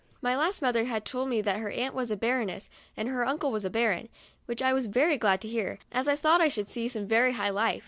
My last mother had told me that her aunt was a " baron ess," and her uncle a "baron," which I was very glad to hear, as I thought I should see some very high life.